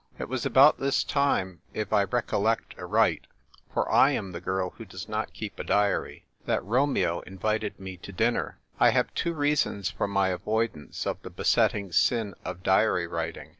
It was about this time, if I recollect aright (for / am the girl who does not keep a diary), that Romeo invited me to dinner. I have two reasons for my avoidance of the besetting sin of diary writing.